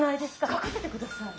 描かせてください。